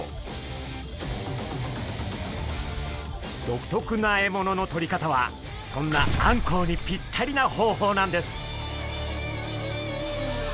独特な獲物のとり方はそんなあんこうにぴったりな方法なんです。